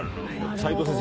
齋藤先生